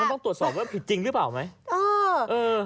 ต้องตรวจสอบว่าผิดจริงหรือเปล่าไหม